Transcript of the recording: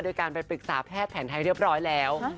โดยการไปปรึกษาแพทย์แผนไทยเรียบร้อยแล้ว